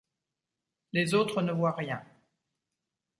Les autres ne voient rien.